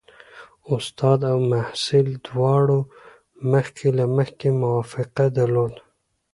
استاد او محصل دواړو مخکې له مخکې توافق درلود.